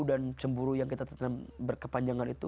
dan cemburu yang kita tetap berkepanjangan itu